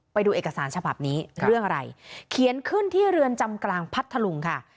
ไปดูเอกสารฉบับนี้เรื่องอะไรเขียนขึ้นที่เรือนจำกลางพัทธลุงค่ะ